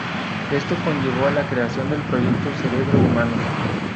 Esto conllevó a la creación del Proyecto Cerebro Humano.